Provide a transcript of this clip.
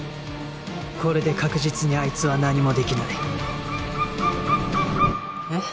これで確実にあいつは何もできないえっ？